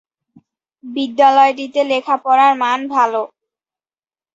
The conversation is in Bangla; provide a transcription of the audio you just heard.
বিদ্যালয়টিতে লেখা পড়ার মান ভাল।